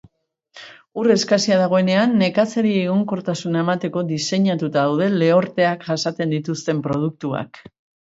Ur-eskasia dagoenean nekazariei egonkortasuna emateko diseinatuta daude lehorteak jasaten dituzten produktuak.